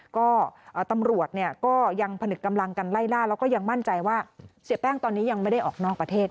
ก็ตำรวจเนี่ยก็ยังผนึกกำลังกันไล่ล่าแล้วก็ยังมั่นใจว่าเสียแป้งตอนนี้ยังไม่ได้ออกนอกประเทศ